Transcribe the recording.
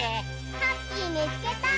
ハッピーみつけた！